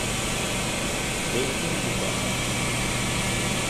Zeytinli'den…